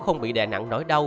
không bị đè nặng nỗi đau